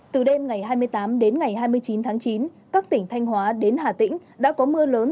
từ đêm ngày hai mươi tám đến ngày hai mươi chín tháng chín các tỉnh thanh hóa đến hà tĩnh đã có mưa lớn